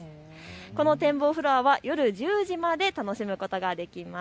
この展望フロアは夜１０時まで楽しむことができます。